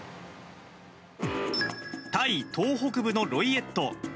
タイ東北部のロイエット。